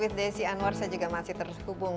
with desi anwar saya juga masih terhubung